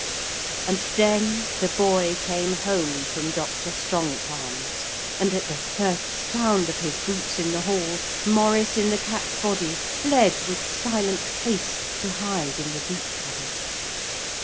And then the boy came home from Dr. Strongitharm's, and at the first sound of his boots in the hall Maurice in the cat's body fled with silent haste to hide in the boot cupboard.